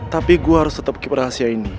tapi gue harus tetep keep rahasia ini